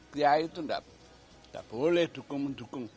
pria itu gak boleh dukung mendukung